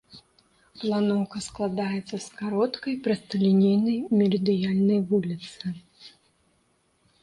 Планоўка складаецца з кароткай прасталінейнай мерыдыянальнай вуліцы.